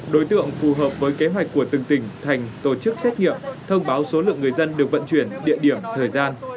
đối tượng phù hợp với kế hoạch của từng tỉnh thành tổ chức xét nghiệm thông báo số lượng người dân được vận chuyển địa điểm thời gian